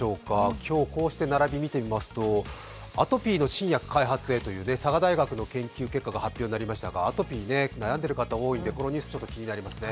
今日、こうして並びを見てみますとアトピーの新薬開発へという佐賀大学の研究結果が発表されましたがアトピー、悩んでる方多いのでこのニュース気になりますね。